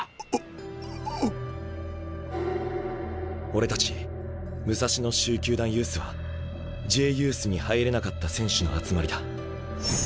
俺たち武蔵野蹴球団ユースはＪユースに入れなかった選手の集まりだ。